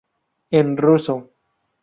En ruso